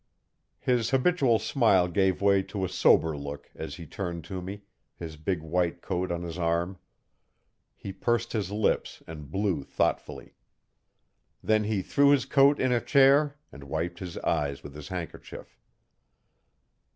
His habitual smile gave way to a sober look as he turned to me, his big white coat on his arm. He pursed his lips and blew thoughtfully. Then he threw his coat in a chair and wiped his eyes with his handkerchief.